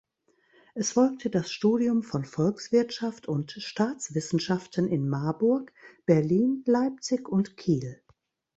Es folgte das Studium von Volkswirtschaft und Staatswissenschaften in Marburg, Berlin, Leipzig und Kiel.